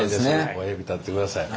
親指立ててください。